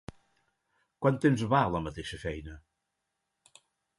Quant temps va la mateixa feina?